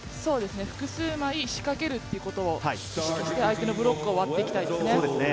複数枚仕掛けるということをして、相手のブロックを割っていきたいですね。